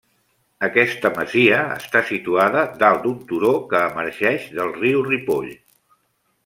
Aquesta masia està situada dalt d'un turó que emergeix del riu Ripoll.